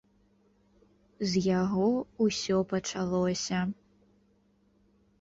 З яго ўсё пачалося.